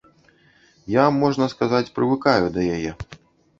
Я, можна сказаць, прывыкаю да яе.